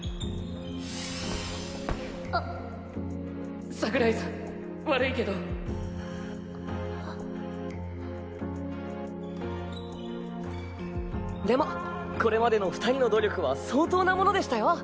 あ櫻井さん悪いけどでもこれまでの２人の努力は相当なものでしたよ。